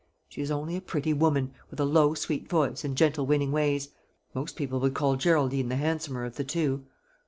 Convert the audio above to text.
She is only a pretty woman, with a low sweet voice, and gentle winning ways. Most people would call Geraldine the handsomer of the two.